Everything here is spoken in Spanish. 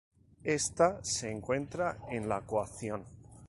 Esta se encuentra en la coacción.